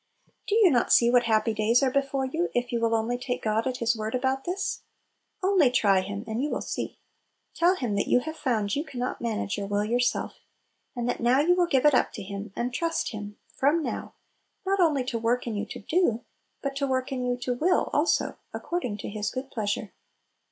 Do you not see what happy days are before you if you will only take God a( His word about this? Only try Him, 38 Little Pillows. and you will see! Tell Him that you have found you can not manage your will yourself, and that now you will give it up to Him, and trust Him, from now, not only to work in you to do, but to work in you to will also, " according to His good pleasure."